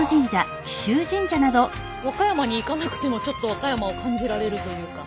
和歌山に行かなくてもちょっと和歌山を感じられるというか。